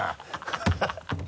ハハハ